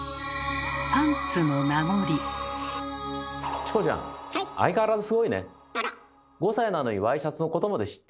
チコちゃん相変わらずすごいね！